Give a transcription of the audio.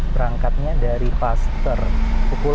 berangkatnya dari pulpaster pukul lima belas tiga puluh